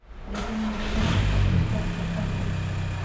د هند ملي نښه اشوکا چکر دی.